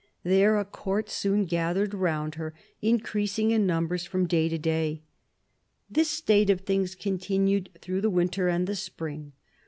There a Court soon gathered round her, increasing in numbers from day to day. This state of things continued through the winter and the spring.